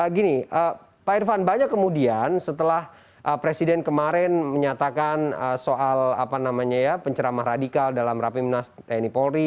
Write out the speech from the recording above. gini pak irfan banyak kemudian setelah presiden kemarin menyatakan soal apa namanya ya pencerama radikal dalam rapi menastani polri